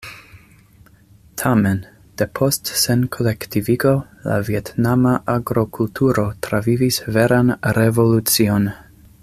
Tamen, depost senkolektivigo, la vjetnama agrokulturo travivis veran revolucion.